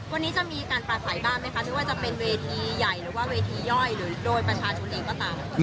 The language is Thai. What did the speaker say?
วันนี้จะมีการปลาใสบ้างไหมคะไม่ว่าจะเป็นเวทีใหญ่หรือว่าเวทีย่อยหรือโดยประชาชนเองก็ตาม